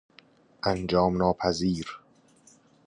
انجام ناپذیر